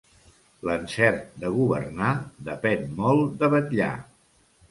L'encert de governar depèn molt de vetllar.